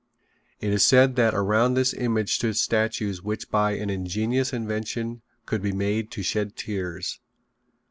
It is said that around this image stood statues which by an ingenious invention could be made to shed tears.